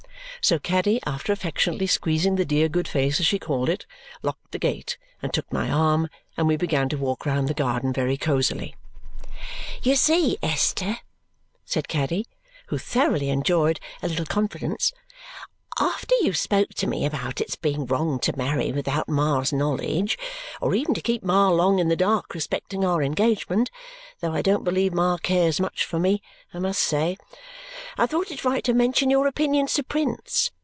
So Caddy, after affectionately squeezing the dear good face as she called it, locked the gate, and took my arm, and we began to walk round the garden very cosily. "You see, Esther," said Caddy, who thoroughly enjoyed a little confidence, "after you spoke to me about its being wrong to marry without Ma's knowledge, or even to keep Ma long in the dark respecting our engagement though I don't believe Ma cares much for me, I must say I thought it right to mention your opinions to Prince.